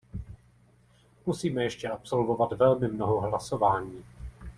Musíme ještě absolvovat velmi mnoho hlasování.